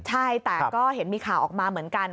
ใช่แต่ก็เห็นมีข่าวออกมาเหมือนกัน